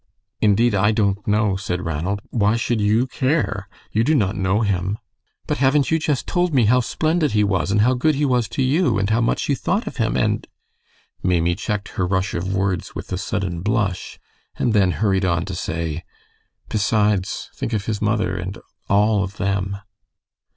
"Indeed, I don't know," said Ranald. "Why should you care? You do not know him." "But haven't you just told me how splendid he was, and how good he was to you, and how much you thought of him, and " Maimie checked her rush of words with a sudden blush, and then hurried on to say, "Besides, think of his mother, and all of them."